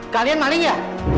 kalian maling ya